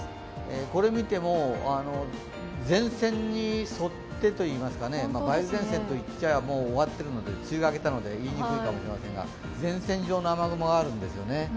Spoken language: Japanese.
これを見ても、前線に沿ってといいますかね梅雨前線と言ってはもう梅雨が明けたので言いにくいかもしれませんが前線状の雨雲があるんですよね。